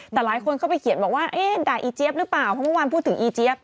แต่หลายคนเข้าไปเขียนบอกว่าเอ๊ะด่าอีเจี๊ยบหรือเปล่าเพราะเมื่อวานพูดถึงอีเจี๊ยบ